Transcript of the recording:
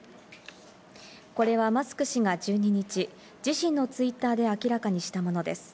これはマスク氏が１２日、自身のツイッターで明らかにしたものです。